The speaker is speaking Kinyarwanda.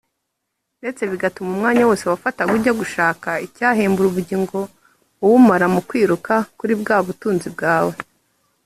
ndetse bigatuma umwanya wose wafataga ujya gushaka icyahembura ubugingo uwumara mu kwiruka kuri bwa butunzi bwawe